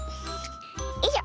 よいしょ！